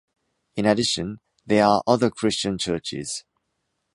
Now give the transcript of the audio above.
In addition, there are other Christian churches.